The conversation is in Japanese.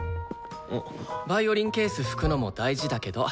ヴァイオリンケース拭くのも大事だけど。